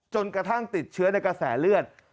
จนกระทั่งติดเชื้อในกระแสเลือด